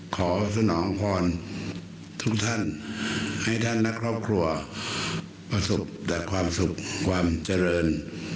สนองพรทุกท่านให้ท่านและครอบครัวประสบแต่ความสุขความเจริญ